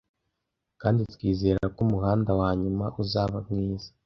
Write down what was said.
Kandi twizere ko umuhanda wanyuma uzaba mwiza